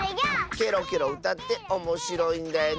ケロケロうたっておもしろいんだよね